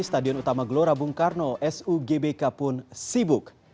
stadion utama gelora bung karno sugbk pun sibuk